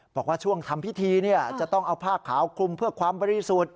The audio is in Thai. บอกว่าช่วงทำพิธีจะต้องเอาผ้าขาวคลุมเพื่อความบริสุทธิ์